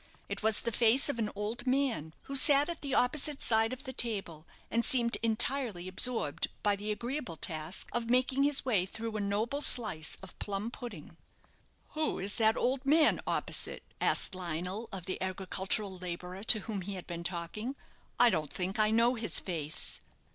It was the face of an old man, who sat at the opposite side of the table, and seemed entirely absorbed by the agreeable task of making his way through a noble slice of plum pudding. "Who is that old man opposite?" asked Lionel of the agricultural labourer to whom he had been talking. "I don't think I know his face."